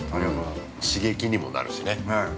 刺激にもなるしね。